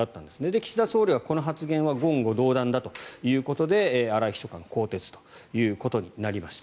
岸田総理はこの発言は言語道断だということで荒井秘書官は更迭となりました。